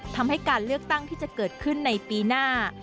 ทำให้การเลือกตั้งที่จะเกิดขึ้นในปีหน้า